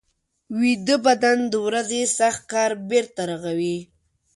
ویده بدن د ورځې سخت کار بېرته رغوي